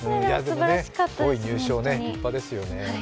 ５位入賞、立派ですよね。